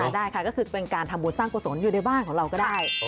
ได้ค่ะก็คือเป็นการทำบุญสร้างกุศลอยู่ในบ้านของเราก็ได้